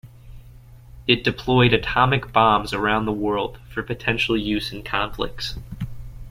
It deployed atomic bombs around the world for potential use in conflicts.